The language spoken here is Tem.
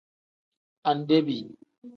Andebi.